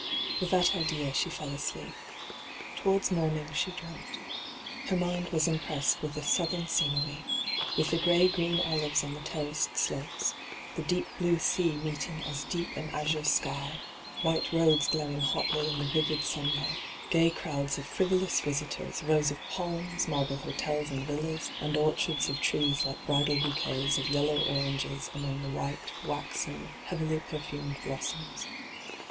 * With that idea she fell asleep. Towards morning she dreamt. Her mind was im pressed with the Southern scenery, with the grey green olives on the terraced slopes, the deep blue sea meeting as deep an azure sky ; hyGoo>^lc ENTRAPPED 225 white roads glaring hotly in the vivid sun light ; gay crowds of frivolous visitors, rows of palms, marble hotels and villas, and oroh&rds of trees like bridal bouquets of yellow oranges among the white, waxen, heavily perfumed blossoms.